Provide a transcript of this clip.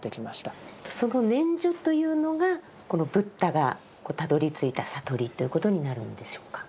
その念処というのがこのブッダがたどりついた悟りということになるんでしょうか。